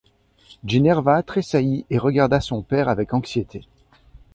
Ginevra tressaillit et regarda son père avec anxiété.